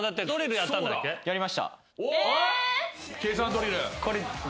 計算ドリル。